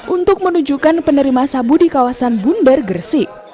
untuk menunjukkan penerima sabu di kawasan bundar gersik